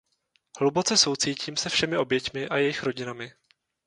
Hluboce soucítím se všemi oběťmi a jejich rodinami.